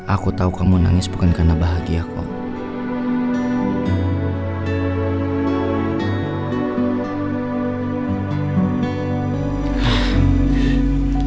aku tahu kamu nangis bukan karena bahagia kok